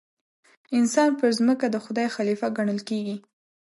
انسان پر ځمکه د خدای خلیفه ګڼل کېږي.